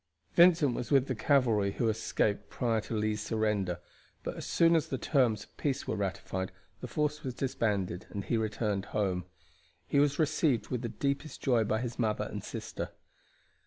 Vincent was with the cavalry who escaped prior to Lee's surrender, but as soon as the terms of peace were ratified the force was disbanded and he returned home. He was received with the deepest joy by his mother and sister.